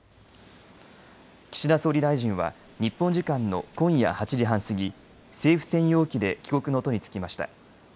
岸田総理大臣は、日本時間の今夜８時半過ぎ政府専用機で帰国の途につきました。